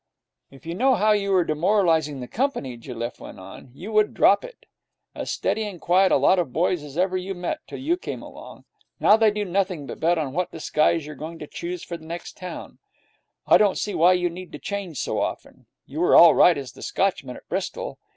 'If you knew how you were demoralizing the company,' Jelliffe went on, 'you would drop it. As steady and quiet a lot of boys as ever you met till you came along. Now they do nothing but bet on what disguise you're going to choose for the next town. I don't see why you need to change so often. You were all right as the Scotchman at Bristol.